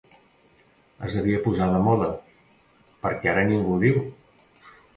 Es devia posar de moda, perquè ara ningú ho diu.